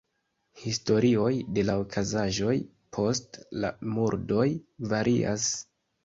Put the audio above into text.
Historioj de la okazaĵoj post la murdoj varias.